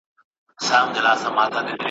کبرجن د خدای ج دښمن دئ `